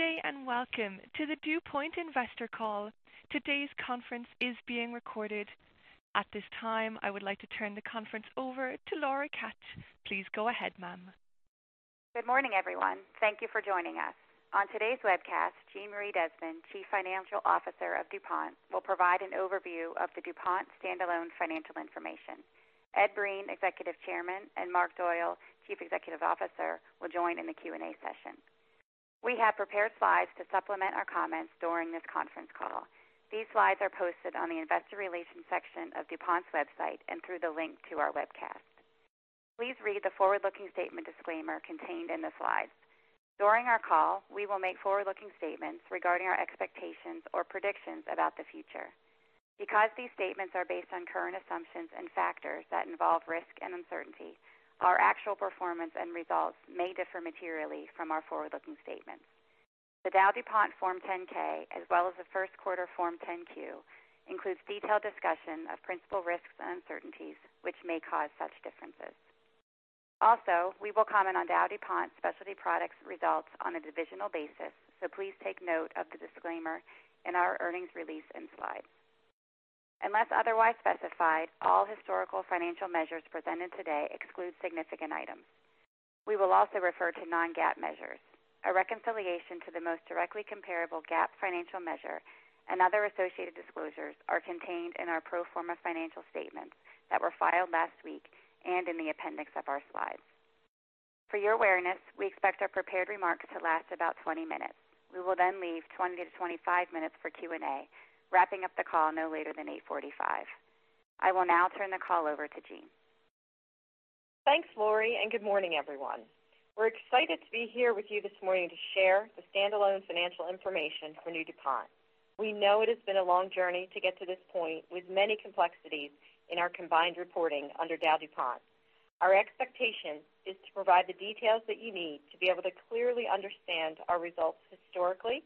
Good day and welcome to the DuPont investor call. Today's conference is being recorded. At this time, I would like to turn the conference over to Lori Koch. Please go ahead, ma'am. Good morning, everyone. Thank you for joining us. On today's webcast, Jeanmarie Desmond, Chief Financial Officer of DuPont, will provide an overview of the DuPont standalone financial information. Ed Breen, Executive Chairman, and Marc Doyle, Chief Executive Officer, will join in the Q&A session. We have prepared slides to supplement our comments during this conference call. These slides are posted on the investor relations section of DuPont's website and through the link to our webcast. Please read the forward-looking statement disclaimer contained in the slides. During our call, we will make forward-looking statements regarding our expectations or predictions about the future. Because these statements are based on current assumptions and factors that involve risk and uncertainty, our actual performance and results may differ materially from our forward-looking statements. The DowDuPont Form 10-K, as well as the first quarter Form 10-Q, includes detailed discussion of principal risks and uncertainties which may cause such differences. Also, we will comment on DowDuPont Specialty Products results on a divisional basis. Please take note of the disclaimer in our earnings release and slides. Unless otherwise specified, all historical financial measures presented today exclude significant items. We will also refer to non-GAAP measures. A reconciliation to the most directly comparable GAAP financial measure and other associated disclosures are contained in our pro forma financial statements that were filed last week and in the appendix of our slides. For your awareness, we expect our prepared remarks to last about 20 minutes. We will then leave 20-25 minutes for Q&A, wrapping up the call no later than 8:45 A.M. I will now turn the call over to Jean. Thanks, Lori. Good morning, everyone. We're excited to be here with you this morning to share the standalone financial information for new DuPont. We know it has been a long journey to get to this point, with many complexities in our combined reporting under DowDuPont. Our expectation is to provide the details that you need to be able to clearly understand our results historically,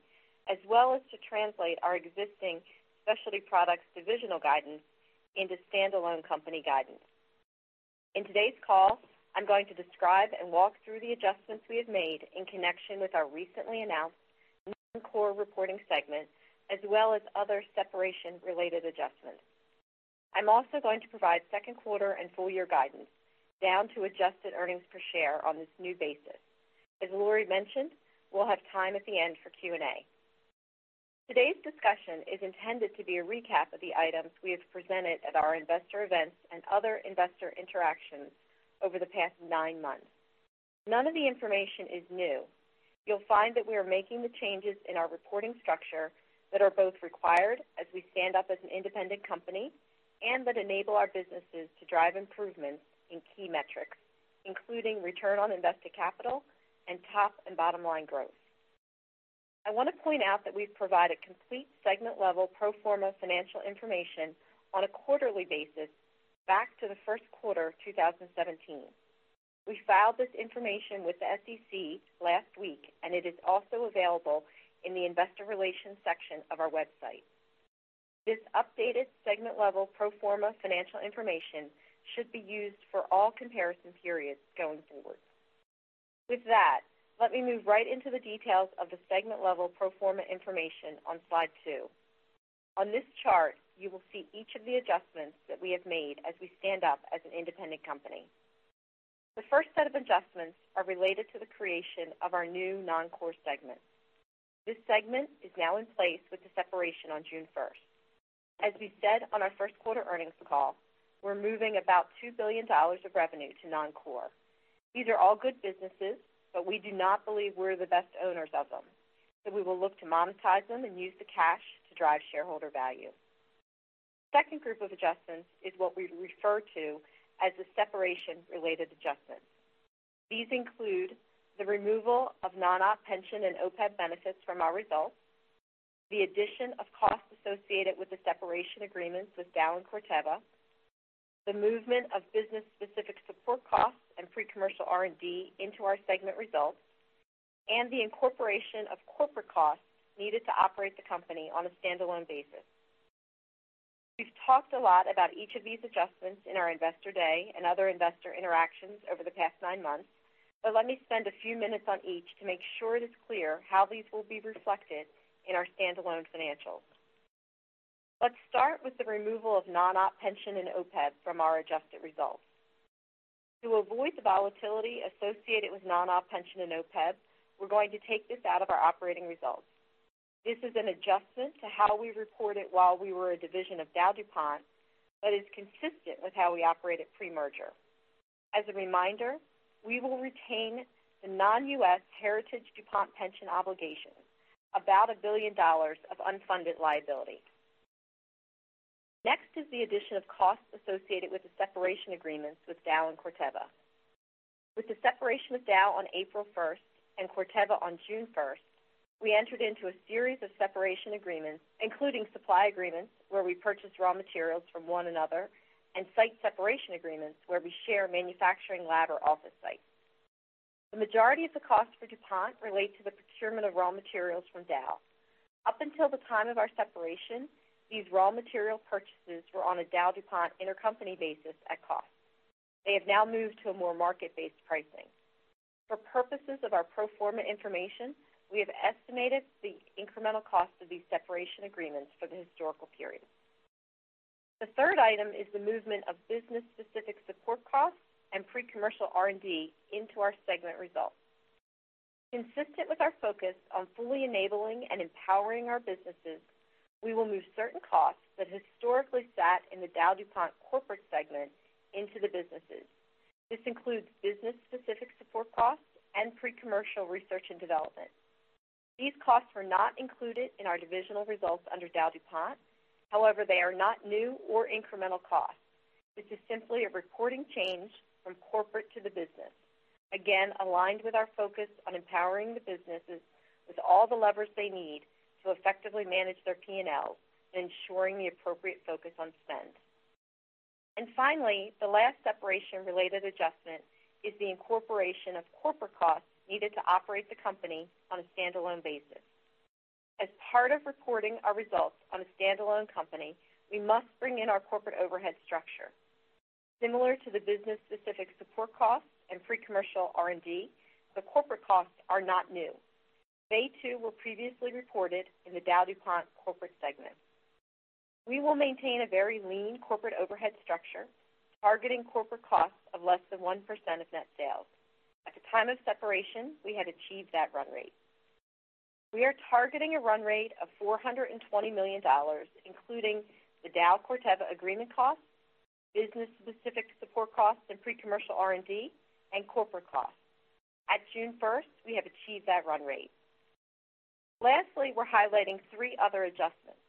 as well as to translate our existing Specialty Products divisional guidance into standalone company guidance. In today's call, I'm going to describe and walk through the adjustments we have made in connection with our recently announced non-core reporting segment, as well as other separation-related adjustments. I'm also going to provide second quarter and full year guidance down to adjusted earnings per share on this new basis. As Lori mentioned, we'll have time at the end for Q&A. Today's discussion is intended to be a recap of the items we have presented at our investor events and other investor interactions over the past nine months. None of the information is new. You'll find that we are making the changes in our reporting structure that are both required as we stand up as an independent company and that enable our businesses to drive improvements in key metrics, including return on invested capital and top and bottom-line growth. I want to point out that we've provided complete segment-level pro forma financial information on a quarterly basis back to the first quarter of 2017. We filed this information with the SEC last week, and it is also available in the investor relations section of our website. This updated segment-level pro forma financial information should be used for all comparison periods going forward. With that, let me move right into the details of the segment-level pro forma information on slide two. On this chart, you will see each of the adjustments that we have made as we stand up as an independent company. The first set of adjustments are related to the creation of our new non-core segment. This segment is now in place with the separation on June 1st. As we said on our first quarter earnings call, we're moving about $2 billion of revenue to non-core. These are all good businesses, but we do not believe we're the best owners of them, so we will look to monetize them and use the cash to drive shareholder value. The second group of adjustments is what we refer to as the separation-related adjustments. These include the removal of non-op pension and OPEB benefits from our results, the addition of costs associated with the separation agreements with Dow and Corteva, the movement of business-specific support costs and pre-commercial R&D into our segment results, and the incorporation of corporate costs needed to operate the company on a standalone basis. We've talked a lot about each of these adjustments in our Investor Day and other investor interactions over the past nine months, but let me spend a few minutes on each to make sure it is clear how these will be reflected in our standalone financials. Let's start with the removal of non-op pension and OPEB from our adjusted results. To avoid the volatility associated with non-op pension and OPEB, we're going to take this out of our operating results. This is an adjustment to how we reported while we were a division of DowDuPont, but is consistent with how we operated pre-merger. As a reminder, we will retain the non-U.S. heritage DuPont pension obligation, about $1 billion of unfunded liability. Next is the addition of costs associated with the separation agreements with Dow and Corteva. With the separation with Dow on April 1st and Corteva on June 1st, we entered into a series of separation agreements, including supply agreements, where we purchased raw materials from one another, and site separation agreements, where we share a manufacturing lab or office site. The majority of the costs for DuPont relate to the procurement of raw materials from Dow. Up until the time of our separation, these raw material purchases were on a DowDuPont intercompany basis at cost. They have now moved to a more market-based pricing. For purposes of our pro forma information, we have estimated the incremental cost of these separation agreements for the historical period. The third item is the movement of business-specific support costs and pre-commercial R&D into our segment results. Consistent with our focus on fully enabling and empowering our businesses, we will move certain costs that historically sat in the DowDuPont corporate segment into the businesses. This includes business-specific support costs and pre-commercial research and development. These costs were not included in our divisional results under DowDuPont. However, they are not new or incremental costs. This is simply a reporting change from corporate to the business, again, aligned with our focus on empowering the businesses with all the levers they need to effectively manage their P&Ls and ensuring the appropriate focus on spend. Finally, the last separation-related adjustment is the incorporation of corporate costs needed to operate the company on a standalone basis. As part of reporting our results on a standalone company, we must bring in our corporate overhead structure. Similar to the business-specific support costs and pre-commercial R&D, the corporate costs are not new. They too were previously reported in the DowDuPont corporate segment. We will maintain a very lean corporate overhead structure, targeting corporate costs of less than 1% of net sales. At the time of separation, we had achieved that run rate. We are targeting a run rate of $420 million, including the Dow/Corteva agreement costs, business-specific support costs and pre-commercial R&D, and corporate costs. At June 1st, we have achieved that run rate. Lastly, we are highlighting three other adjustments.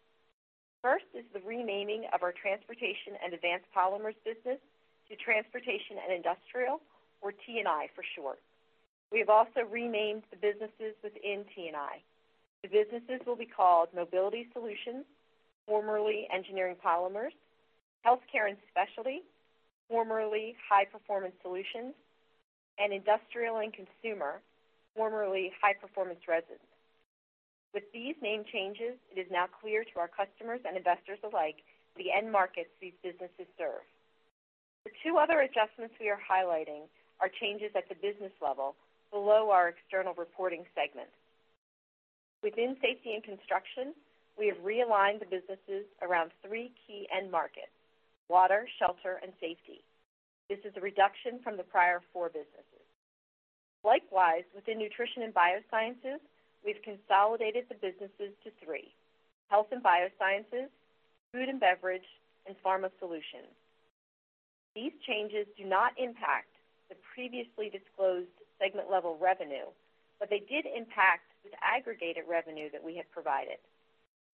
First is the renaming of our Transportation & Advanced Polymers business to Transportation & Industrial, or T&I for short. We have also renamed the businesses within T&I. The businesses will be called Mobility Solutions, formerly Engineering Polymers, Healthcare & Specialty, formerly High-Performance Solutions, and Industrial & Consumer, formerly High Performance Resins. With these name changes, it is now clear to our customers and investors alike the end markets these businesses serve. The two other adjustments we are highlighting are changes at the business level below our external reporting segment. Within Safety & Construction, we have realigned the businesses around three key end markets, water, shelter, and safety. This is a reduction from the prior four businesses. Likewise, within Nutrition & Biosciences, we have consolidated the businesses to three, Health & Biosciences, Food & Beverage, and Pharma Solutions. These changes do not impact the previously disclosed segment-level revenue, but they did impact the aggregated revenue that we had provided.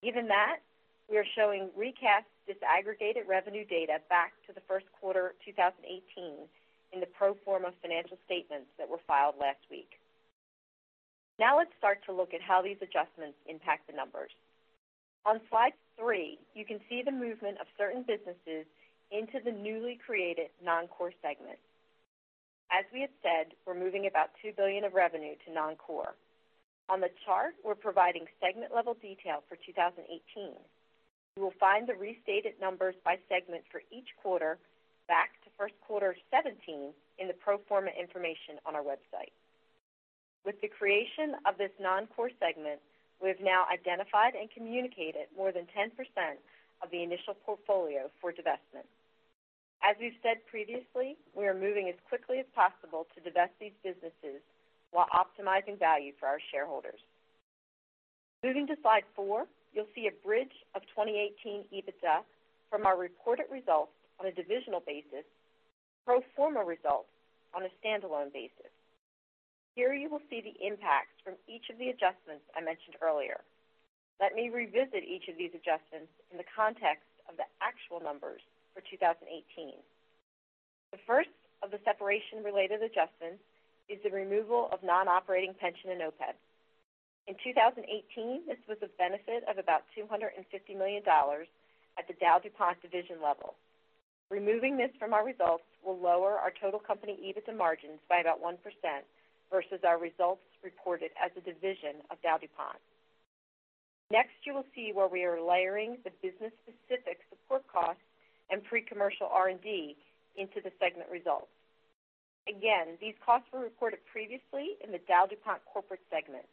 Given that, we are showing recast disaggregated revenue data back to the first quarter of 2018 in the pro forma financial statements that were filed last week. Let's start to look at how these adjustments impact the numbers. On slide three, you can see the movement of certain businesses into the newly created non-core segment. As we have said, we are moving about $2 billion of revenue to non-core. On the chart, we are providing segment-level detail for 2018. You will find the restated numbers by segment for each quarter back to first quarter 2017 in the pro forma information on our website. With the creation of this non-core segment, we have now identified and communicated more than 10% of the initial portfolio for divestment. As we've said previously, we are moving as quickly as possible to divest these businesses while optimizing value for our shareholders. Moving to slide four, you'll see a bridge of 2018 EBITDA from our reported results on a divisional basis to pro forma results on a standalone basis. Here you will see the impacts from each of the adjustments I mentioned earlier. Let me revisit each of these adjustments in the context of the actual numbers for 2018. The first of the separation-related adjustments is the removal of non-operating pension and OPEB. In 2018, this was a benefit of about $250 million at the DowDuPont division level. Removing this from our results will lower our total company EBITDA margins by about 1% versus our results reported as a division of DowDuPont. Next, you will see where we are layering the business-specific support costs and pre-commercial R&D into the segment results. These costs were reported previously in the DowDuPont corporate segment.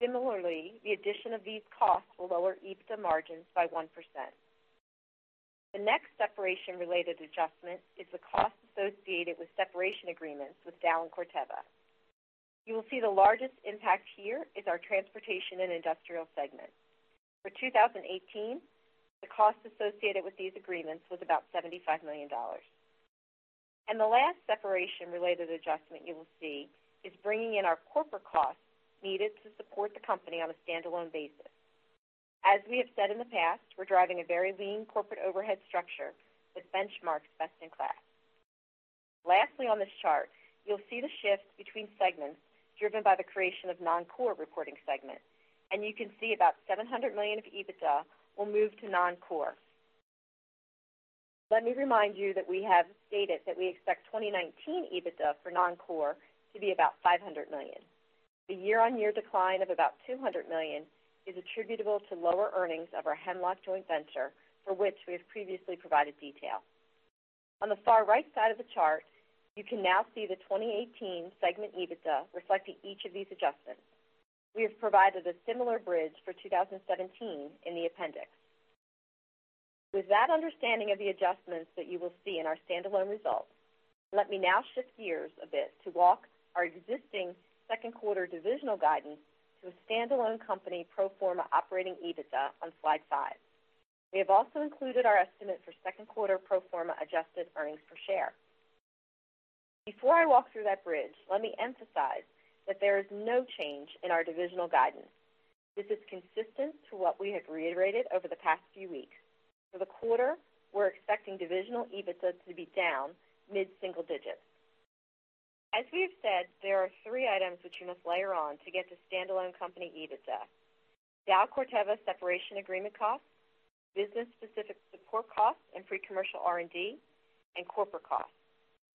Similarly, the addition of these costs will lower EBITDA margins by 1%. The next separation-related adjustment is the cost associated with separation agreements with Dow and Corteva. You will see the largest impact here is our Transportation & Industrial segment. For 2018, the cost associated with these agreements was about $75 million. The last separation-related adjustment you will see is bringing in our corporate costs needed to support the company on a standalone basis. As we have said in the past, we're driving a very lean corporate overhead structure that benchmarks best in class. Lastly on this chart, you'll see the shift between segments driven by the creation of non-core reporting segment, and you can see about $700 million of EBITDA will move to non-core. Let me remind you that we have stated that we expect 2019 EBITDA for non-core to be about $500 million. The year-on-year decline of about $200 million is attributable to lower earnings of our Hemlock joint venture, for which we have previously provided detail. On the far right side of the chart, you can now see the 2018 segment EBITDA reflecting each of these adjustments. We have provided a similar bridge for 2017 in the appendix. With that understanding of the adjustments that you will see in our standalone results, let me now shift gears a bit to walk our existing second quarter divisional guidance to a standalone company pro forma operating EBITDA on slide five. We have also included our estimate for second quarter pro forma adjusted earnings per share. Before I walk through that bridge, let me emphasize that there is no change in our divisional guidance. This is consistent to what we have reiterated over the past few weeks. For the quarter, we're expecting divisional EBITDA to be down mid-single digits. As we have said, there are three items which you must layer on to get to standalone company EBITDA. Dow-Corteva separation agreement costs, business-specific support costs and pre-commercial R&D, and corporate costs.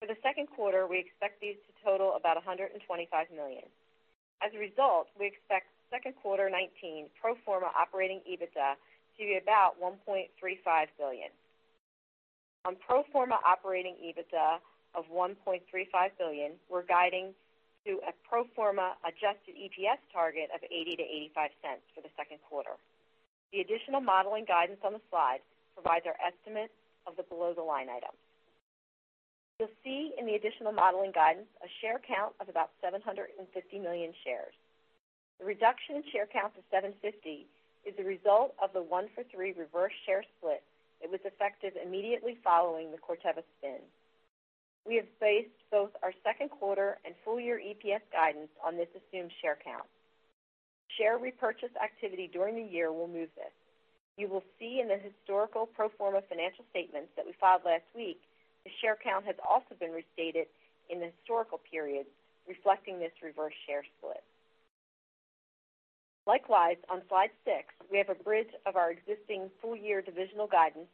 For the second quarter, we expect these to total about $125 million. As a result, we expect second quarter 2019 pro forma operating EBITDA to be about $1.35 billion. On pro forma operating EBITDA of $1.35 billion, we're guiding to a pro forma adjusted EPS target of $0.80 to $0.85 for the second quarter. The additional modeling guidance on the slide provides our estimate of the below the line items. You'll see in the additional modeling guidance a share count of about 750 million shares. The reduction in share count to 750 is the result of the one-for-three reverse share split that was effective immediately following the Corteva spin. We have based both our second quarter and full year EPS guidance on this assumed share count. Share repurchase activity during the year will move this. You will see in the historical pro forma financial statements that we filed last week, the share count has also been restated in the historical period, reflecting this reverse share split. Likewise, on slide six, we have a bridge of our existing full-year divisional guidance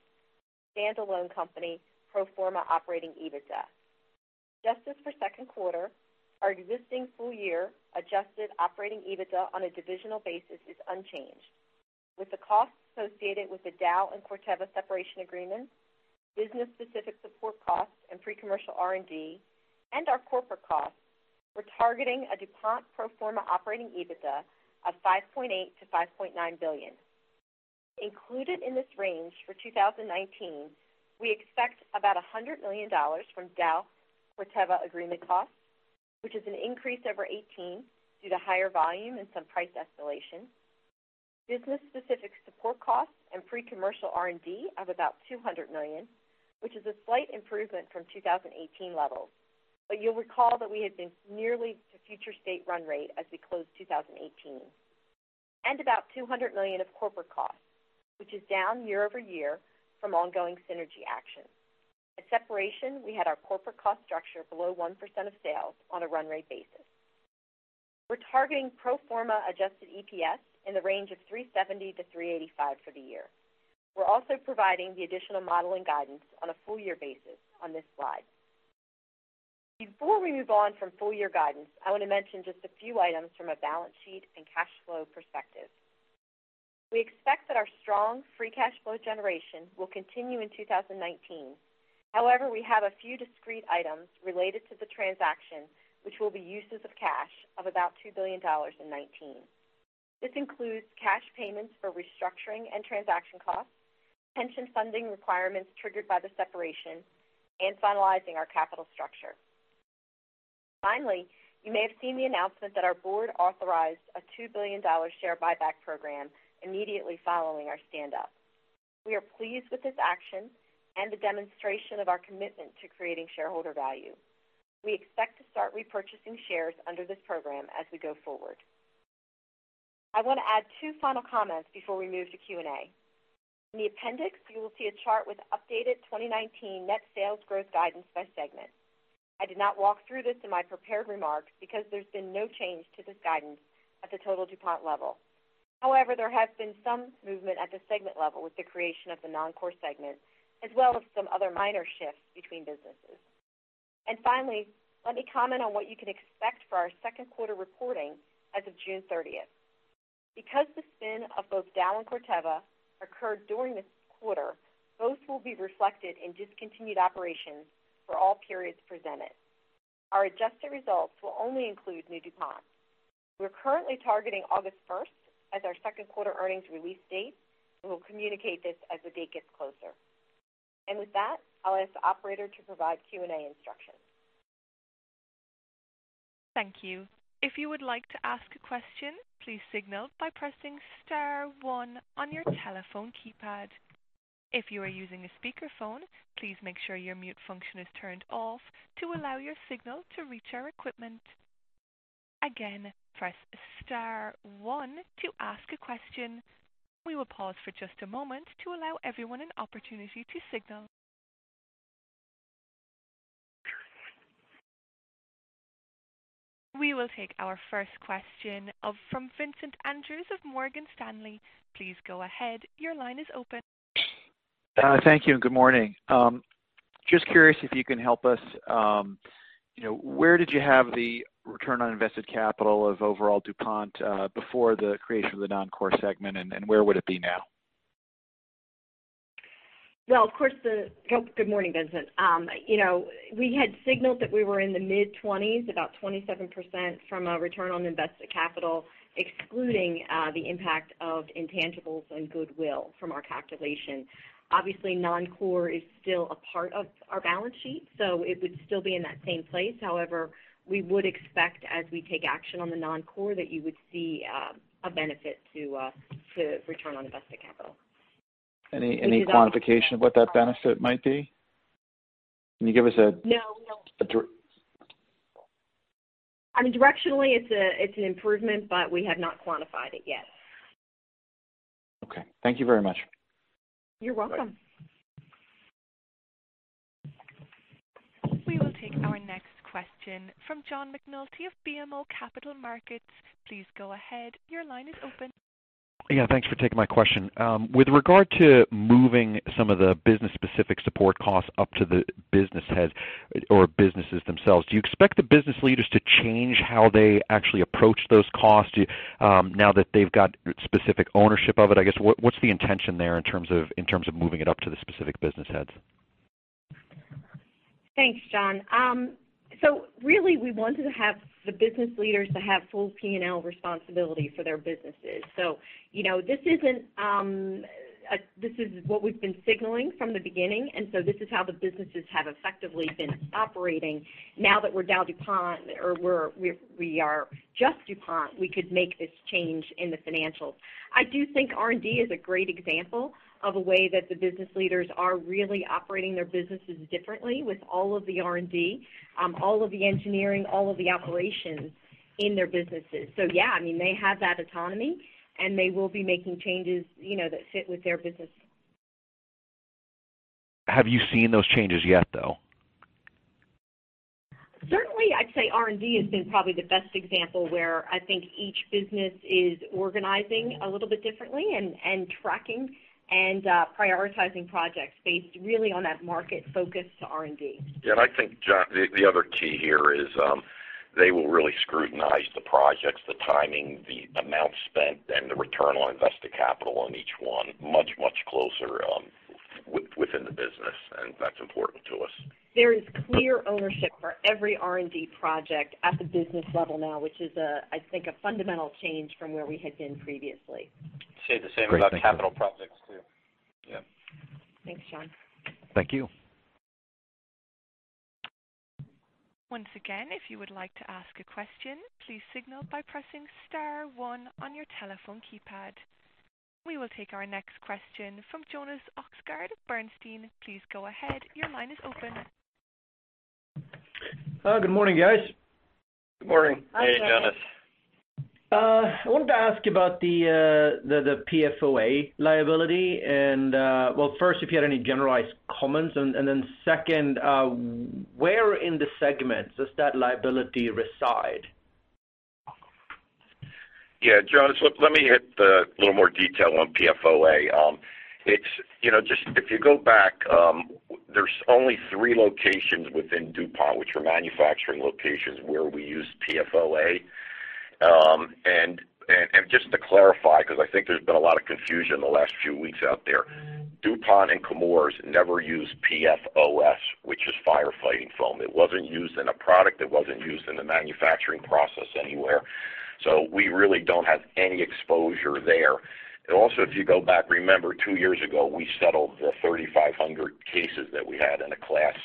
standalone company pro forma operating EBITDA. Just as for second quarter, our existing full-year adjusted operating EBITDA on a divisional basis is unchanged. With the costs associated with the Dow and Corteva separation agreements, business-specific support costs and pre-commercial R&D, and our corporate costs, we're targeting a DuPont pro forma operating EBITDA of $5.8 billion-$5.9 billion. Included in this range for 2019, we expect about $100 million from Dow-Corteva agreement costs, which is an increase over 2018 due to higher volume and some price escalation. Business-specific support costs and pre-commercial R&D of about $200 million, which is a slight improvement from 2018 levels. You'll recall that we had been nearly to future state run rate as we closed 2018. About $200 million of corporate costs, which is down year-over-year from ongoing synergy actions. At separation, we had our corporate cost structure below 1% of sales on a run rate basis. We're targeting pro forma adjusted EPS in the range of $3.70-$3.85 for the year. We're also providing the additional modeling guidance on a full-year basis on this slide. Before we move on from full-year guidance, I want to mention just a few items from a balance sheet and cash flow perspective. We expect that our strong free cash flow generation will continue in 2019. However, we have a few discrete items related to the transaction which will be uses of cash of about $2 billion in 2019. This includes cash payments for restructuring and transaction costs, pension funding requirements triggered by the separation, and finalizing our capital structure. Finally, you may have seen the announcement that our board authorized a $2 billion share buyback program immediately following our stand up. We are pleased with this action and the demonstration of our commitment to creating shareholder value. We expect to start repurchasing shares under this program as we go forward. I want to add two final comments before we move to Q&A. In the appendix, you will see a chart with updated 2019 net sales growth guidance by segment. I did not walk through this in my prepared remarks because there's been no change to this guidance at the total DuPont level. However, there has been some movement at the segment level with the creation of the non-core segment, as well as some other minor shifts between businesses. Finally, let me comment on what you can expect for our second quarter reporting as of June 30th. Because the spin of both Dow and Corteva occurred during this quarter, both will be reflected in discontinued operations for all periods presented. Our adjusted results will only include new DuPont. We're currently targeting August 1st as our second quarter earnings release date, and we'll communicate this as the date gets closer. I'll ask the operator to provide Q&A instructions. Thank you. If you would like to ask a question, please signal by pressing *1 on your telephone keypad. If you are using a speakerphone, please make sure your mute function is turned off to allow your signal to reach our equipment. Again, press *1 to ask a question. We will pause for just a moment to allow everyone an opportunity to signal. We will take our first question from Vincent Andrews of Morgan Stanley. Please go ahead. Your line is open. Thank you and good morning. Just curious if you can help us. Where did you have the return on invested capital of overall DuPont before the creation of the non-core segment, and where would it be now? Well, of course. Good morning, Vincent. We had signaled that we were in the mid-20s, about 27% from a return on invested capital, excluding the impact of intangibles and goodwill from our calculation. Obviously, non-core is still a part of our balance sheet, so it would still be in that same place. However, we would expect as we take action on the non-core, that you would see a benefit to return on invested capital. Any quantification of what that benefit might be? Can you give us? No. -a di- Directionally, it's an improvement, but we have not quantified it yet. Okay. Thank you very much. You're welcome. We will take our next question from John McNulty of BMO Capital Markets. Please go ahead. Your line is open. Yeah. Thanks for taking my question. With regard to moving some of the business specific support costs up to the business heads or businesses themselves, do you expect the business leaders to change how they actually approach those costs now that they've got specific ownership of it? I guess, what's the intention there in terms of moving it up to the specific business heads? Thanks, John. Really we wanted to have the business leaders to have full P&L responsibility for their businesses. This is what we've been signaling from the beginning, this is how the businesses have effectively been operating. Now that we're DowDuPont, or we are just DuPont, we could make this change in the financials. I do think R&D is a great example of a way that the business leaders are really operating their businesses differently with all of the R&D, all of the engineering, all of the operations in their businesses. Yeah, they have that autonomy, and they will be making changes that fit with their business. Have you seen those changes yet, though? Certainly, I'd say R&D has been probably the best example, where I think each business is organizing a little bit differently and tracking and prioritizing projects based really on that market focus to R&D. Yeah, I think, John, the other key here is, they will really scrutinize the projects, the timing, the amount spent, and the return on invested capital on each one much, much closer within the business, and that's important to us. There is clear ownership for every R&D project at the business level now, which is, I think, a fundamental change from where we had been previously. Great. Thank you. I'd say the same about capital projects, too. Yeah. Thanks, John. Thank you. Once again, if you would like to ask a question, please signal by pressing *1 on your telephone keypad. We will take our next question from Jonas Oxgaard of Bernstein. Please go ahead. Your line is open. Good morning, guys. Good morning. Hi, Jonas. I wanted to ask about the PFOA liability, well, first, if you had any generalized comments, then second, where in the segments does that liability reside? Yeah. Jonas, look, let me hit a little more detail on PFOA. If you go back, there's only three locations within DuPont, which were manufacturing locations where we used PFOA. Just to clarify, because I think there's been a lot of confusion in the last few weeks out there, DuPont and Chemours never used PFOS, which is firefighting foam. It wasn't used in a product, it wasn't used in the manufacturing process anywhere. We really don't have any exposure there. Also, if you go back, remember two years ago, we settled the 3,500 cases that we had in a class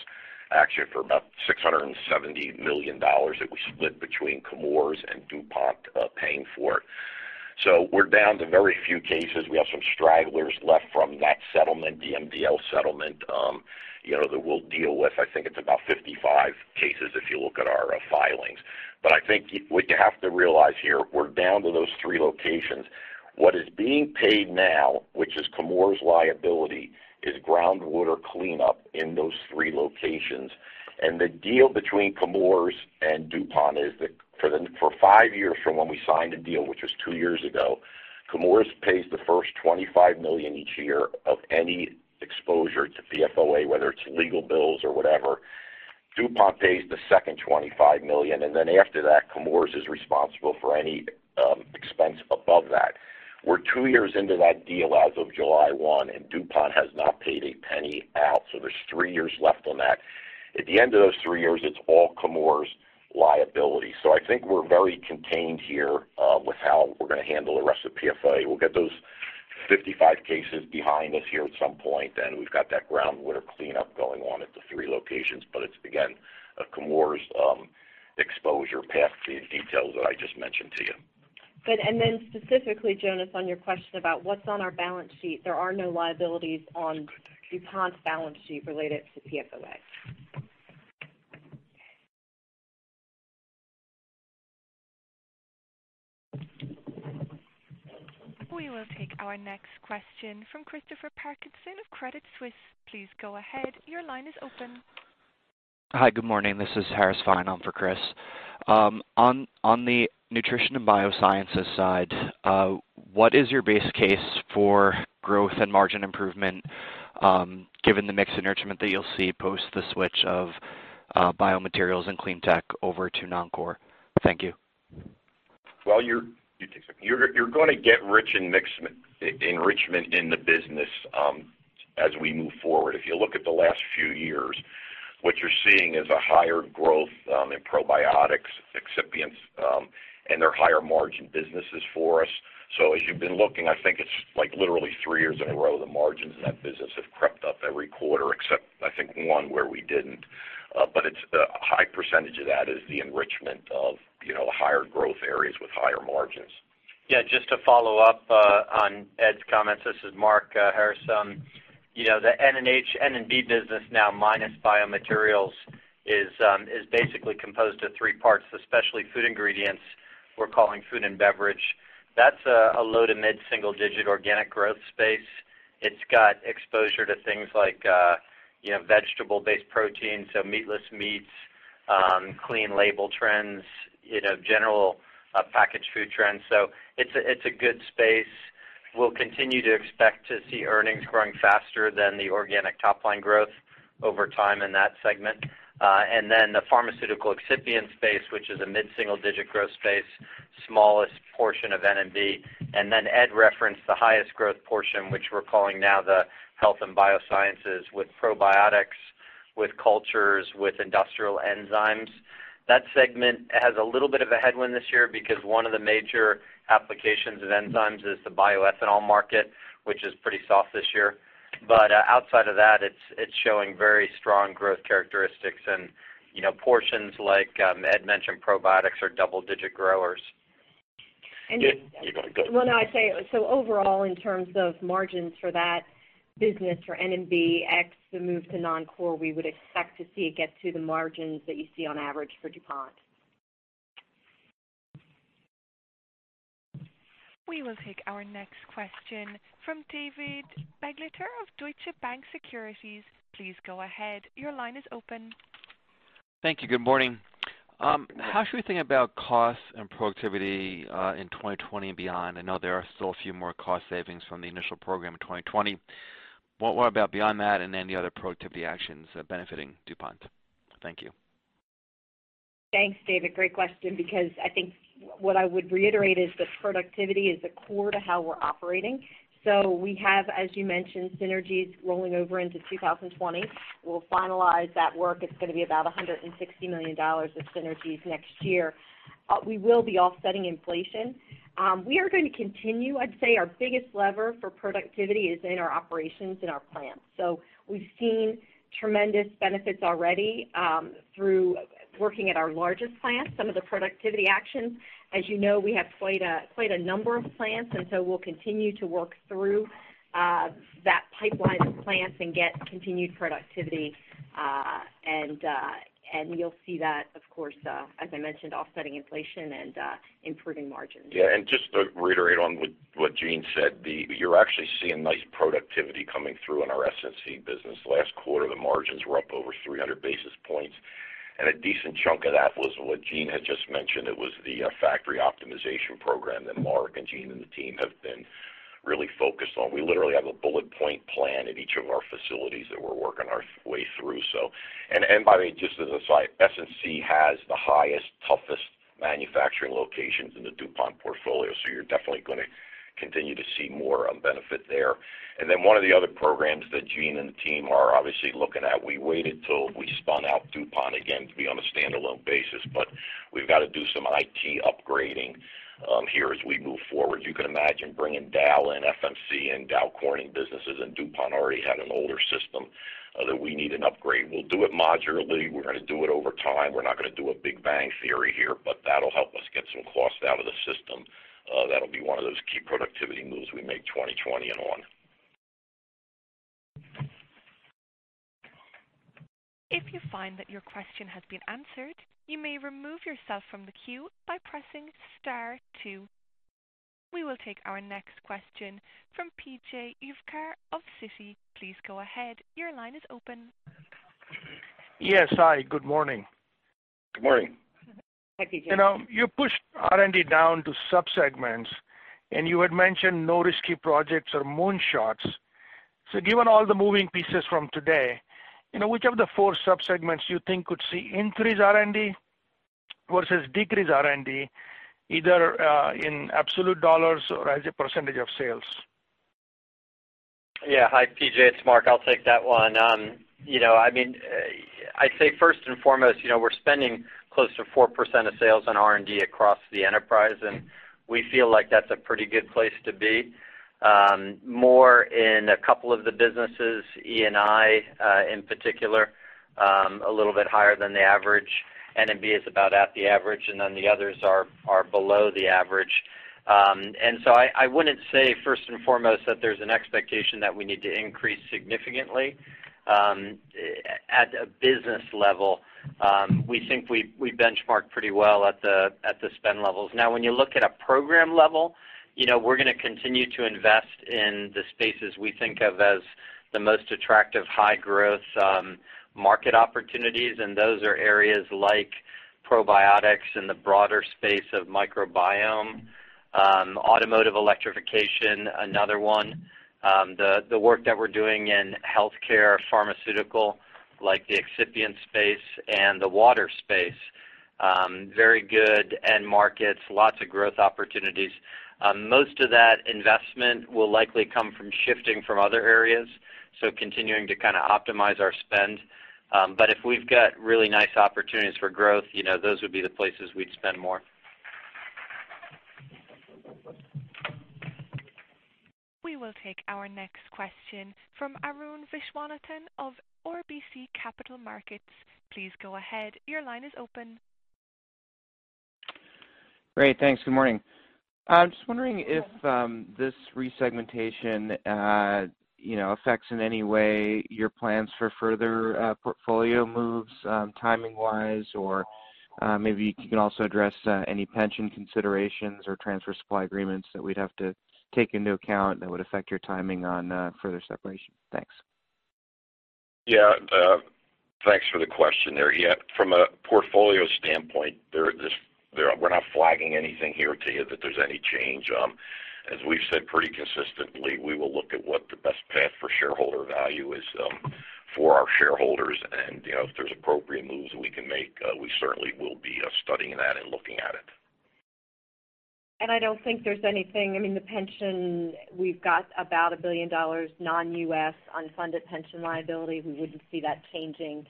action for about $670 million that we split between Chemours and DuPont paying for it. We're down to very few cases. We have some stragglers left from that settlement, the MDL settlement that we'll deal with. I think it's about 55 cases if you look at our filings. I think what you have to realize here, we're down to those three locations. What is being paid now, which is Chemours' liability, is groundwater cleanup in those three locations. The deal between Chemours and DuPont is that for five years from when we signed a deal, which was two years ago, Chemours pays the first $25 million each year of any exposure to PFOA, whether it's legal bills or whatever. DuPont pays the second $25 million, after that, Chemours is responsible for any expense above that. We're two years into that deal as of July 1, DuPont has not paid a penny out. There's three years left on that. At the end of those three years, it's all Chemours' liability. I think we're very contained here with how we're going to handle the rest of PFOA. We'll get those 55 cases behind us here at some point, we've got that groundwater cleanup going on at the three locations, it's, again, a Chemours exposure, per the details that I just mentioned to you. Good. Specifically, Jonas, on your question about what's on our balance sheet, there are no liabilities on DuPont's balance sheet related to PFOA. We will take our next question from Christopher Parkinson of Credit Suisse. Please go ahead. Your line is open. Hi, good morning. This is Harris Fine on for Chris. On the Nutrition & Biosciences side, what is your base case for growth and margin improvement, given the mix enrichment that you'll see post the switch of biomaterials and clean tech over to Noncore? Thank you. You're going to get rich in enrichment in the business as we move forward. If you look at the last few years, what you're seeing is a higher growth in probiotics, excipients, and they're higher margin businesses for us. As you've been looking, I think it's literally three years in a row, the margins in that business have crept up every quarter, except I think one where we didn't. A high percentage of that is the enrichment of higher growth areas with higher margins. Just to follow up on Ed's comments, this is Mark Harris. The N&B business now minus biomaterials is basically composed of three parts, especially Food & Beverage. That's a low to mid-single-digit organic growth space. It's got exposure to things like vegetable-based proteins, so meatless meats, clean label trends, general packaged food trends. It's a good space. We'll continue to expect to see earnings growing faster than the organic top line growth over time in that segment. The pharmaceutical excipient space, which is a mid-single-digit growth space, smallest portion of N&B. Ed referenced the highest growth portion, which we're calling now the Health & Biosciences with probiotics, with cultures, with industrial enzymes. That segment has a little bit of a headwind this year because one of the major applications of enzymes is the bioethanol market, which is pretty soft this year. Outside of that, it's showing very strong growth characteristics and portions like Ed mentioned, probiotics are double-digit growers. You want to go. No, I'd say so overall, in terms of margins for that business for N&B ex the move to non-core, we would expect to see it get to the margins that you see on average for DuPont. We will take our next question from David Begleiter of Deutsche Bank Securities. Please go ahead. Your line is open. Thank you. Good morning. How should we think about costs and productivity in 2020 and beyond? I know there are still a few more cost savings from the initial program in 2020. What about beyond that, any other productivity actions benefiting DuPont? Thank you. Thanks, David. Great question, because I think what I would reiterate is that productivity is a core to how we're operating. We have, as you mentioned, synergies rolling over into 2020. We'll finalize that work. It's going to be about $160 million of synergies next year. We will be offsetting inflation. We are going to continue. I'd say our biggest lever for productivity is in our operations in our plants. We've seen tremendous benefits already through working at our largest plants, some of the productivity actions. As you know, we have quite a number of plants, and so we'll continue to work through that pipeline of plants and get continued productivity. You'll see that, of course, as I mentioned, offsetting inflation and improving margins. Just to reiterate on what Jean said, you're actually seeing nice productivity coming through in our S&C business. Last quarter, the margins were up over 300 basis points. A decent chunk of that was what Jean had just mentioned. It was the factory optimization program that Mark and Jean and the team have been really focused on. We literally have a bullet point plan at each of our facilities that we're working our way through. By the way, just as an aside, S&C has the highest, toughest manufacturing locations in the DuPont portfolio. You're definitely going to continue to see more benefit there. One of the other programs that Jean and the team are obviously looking at, we waited till we spun out DuPont again to be on a standalone basis, but we've got to do some IT upgrading here as we move forward. You can imagine bringing Dow in, FMC and Dow Corning businesses, and DuPont already had an older system that we need an upgrade. We'll do it modularly. We're going to do it over time. We're not going to do a big bang theory here, but that'll help us get some cost out of the system. That'll be one of those key productivity moves we make 2020 and on. If you find that your question has been answered, you may remove yourself from the queue by pressing star 2. We will take our next question from P.J. Juvekar of Citi. Please go ahead. Your line is open. Yes. Hi, good morning. Good morning. Hi, P.J. You pushed R&D down to sub-segments, and you had mentioned no risky projects or moonshots. Given all the moving pieces from today, which of the four sub-segments you think could see increase R&D versus decrease R&D, either in absolute $ or as a % of sales? Yeah. Hi, P.J., it's Marc. I'll take that one. I'd say first and foremost, we're spending close to 4% of sales on R&D across the enterprise, and we feel like that's a pretty good place to be. More in a couple of the businesses, E&I, in particular, a little bit higher than the average. N&B is about at the average, and then the others are below the average. I wouldn't say first and foremost that there's an expectation that we need to increase significantly. At a business level, we think we benchmark pretty well at the spend levels. When you look at a program level, we're going to continue to invest in the spaces we think of as the most attractive high-growth market opportunities, and those are areas like probiotics and the broader space of microbiome. Automotive electrification, another one. The work that we're doing in healthcare, pharmaceutical, like the excipient space and the water space. Very good end markets, lots of growth opportunities. Most of that investment will likely come from shifting from other areas, so continuing to kind of optimize our spend. If we've got really nice opportunities for growth, those would be the places we'd spend more. We will take our next question from Arun Viswanathan of RBC Capital Markets. Please go ahead. Your line is open. Great. Thanks. Good morning. I'm just wondering if this resegmentation affects in any way your plans for further portfolio moves, timing wise, or maybe you can also address any pension considerations or transfer supply agreements that we'd have to take into account that would affect your timing on further separation. Thanks. Yeah. Thanks for the question there. Yeah, from a portfolio standpoint, we're not flagging anything here to you that there's any change. As we've said pretty consistently, we will look at what the best path for shareholder value is for our shareholders. If there's appropriate moves that we can make, we certainly will be studying that and looking at it. I don't think there's anything. I mean, the pension, we've got about a $1 billion non-U.S. unfunded pension liability. We wouldn't see that changing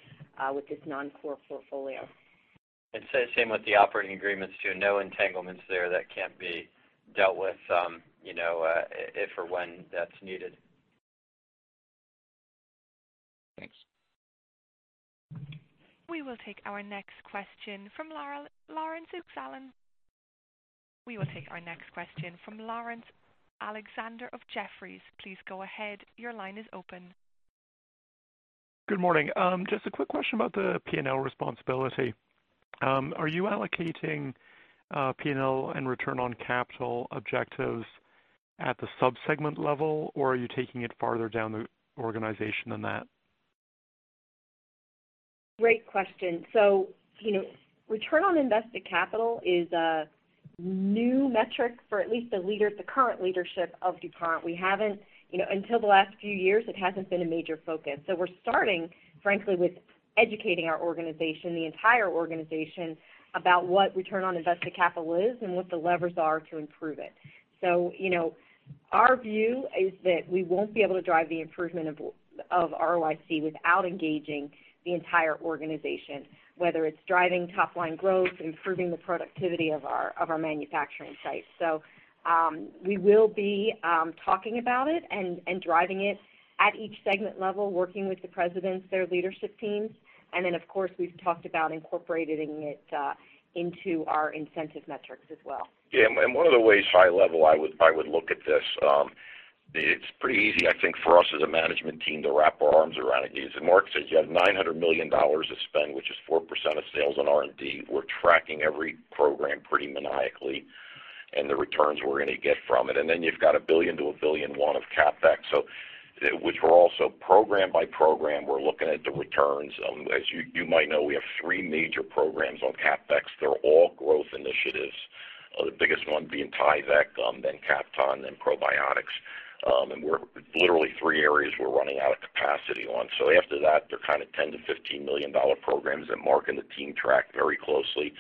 with this non-core portfolio. I'd say same with the operating agreements, too. No entanglements there that can't be dealt with if or when that's needed. Thanks. We will take our next question from Laurence Alexander of Jefferies. Please go ahead. Your line is open. Good morning. Just a quick question about the P&L responsibility. Are you allocating P&L and return on capital objectives at the sub-segment level, or are you taking it farther down the organization than that? Great question. Return on invested capital is a new metric for at least the current leadership of DuPont. Until the last few years, it hasn't been a major focus, we're starting, frankly, with educating our organization, the entire organization, about what return on invested capital is and what the levers are to improve it. Our view is that we won't be able to drive the improvement of ROIC without engaging the entire organization, whether it's driving top-line growth, improving the productivity of our manufacturing sites. We will be talking about it and driving it at each segment level, working with the presidents, their leadership teams. Then, of course, we've talked about incorporating it into our incentive metrics as well. Yeah. One of the ways, high level, I would look at this, it's pretty easy, I think, for us as a management team to wrap our arms around it is, as Marc says, you have $900 million of spend, which is 4% of sales on R&D. We're tracking every program pretty maniacally and the returns we're going to get from it. Then you've got $1 billion to $1.1 billion of CapEx, which we're also program by program, we're looking at the returns. As you might know, we have three major programs on CapEx. They're all growth initiatives, the biggest one being Tyvek, then Kapton, then probiotics. We're literally three areas we're running out of capacity on. After that, they're kind of $10 million-$15 million programs that Marc and the team track very closely.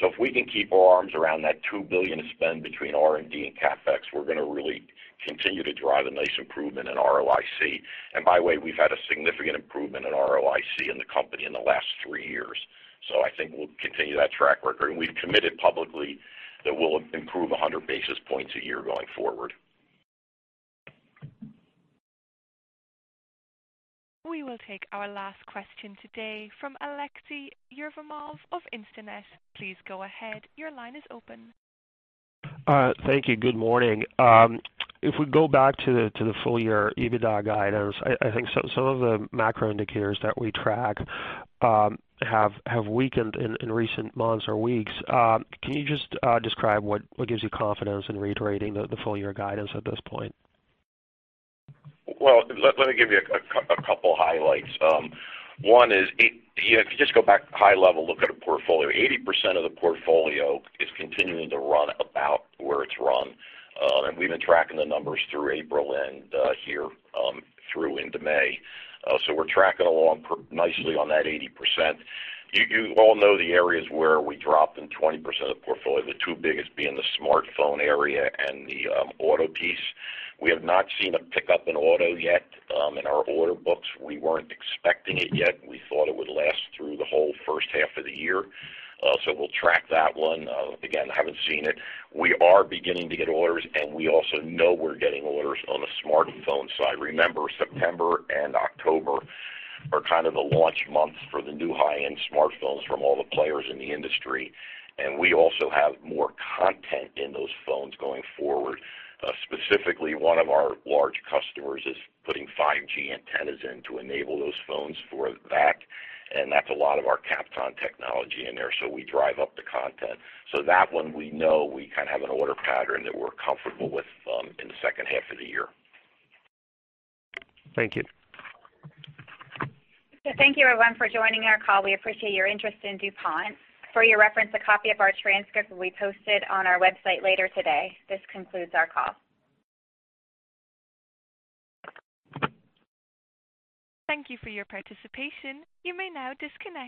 If we can keep our arms around that $2 billion of spend between R&D and CapEx, we're going to really continue to drive a nice improvement in ROIC. By the way, we've had a significant improvement in ROIC in the company in the last three years. I think we'll continue that track record, and we've committed publicly that we'll improve 100 basis points a year going forward. We will take our last question today from Aleksey Yefremov of Instinet. Please go ahead. Your line is open. Thank you. Good morning. If we go back to the full-year EBITDA guidance, I think some of the macro indicators that we track have weakened in recent months or weeks. Can you just describe what gives you confidence in reiterating the full-year EBITDA guidance at this point? Well, let me give you two highlights. One is, if you just go back high level, look at a portfolio, 80% of the portfolio is continuing to run about where it's run. We've been tracking the numbers through April and here through into May. We're tracking along nicely on that 80%. You all know the areas where we dropped in 20% of the portfolio, the two biggest being the smartphone area and the auto piece. We have not seen a pickup in auto yet in our order books. We weren't expecting it yet. We thought it would last through the whole first half of the year. We'll track that one. Again, haven't seen it. We are beginning to get orders, and we also know we're getting orders on the smartphone side. Remember, September and October are kind of the launch months for the new high-end smartphones from all the players in the industry, and we also have more content in those phones going forward. Specifically, one of our large customers is putting 5G antennas in to enable those phones for that, and that's a lot of our Kapton technology in there, so we drive up the content. That one we know we kind of have an order pattern that we're comfortable with in the second half of the year. Thank you. Thank you everyone for joining our call. We appreciate your interest in DuPont. For your reference, a copy of our transcript will be posted on our website later today. This concludes our call. Thank you for your participation. You may now disconnect.